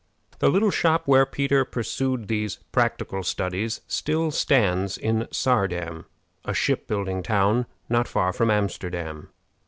The little shop where Peter pursued these practical studies still stands in Saardam, a ship building town not far from Amsterdam.